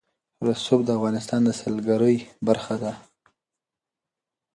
رسوب د افغانستان د سیلګرۍ برخه ده.